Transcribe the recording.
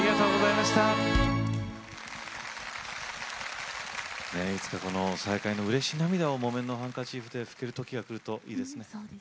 いつか再会のうれし涙を木綿のハンカチーフで拭ける時が来るといいですね。